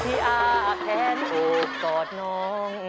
พี่อาแพทย์ถูกกอดน้อง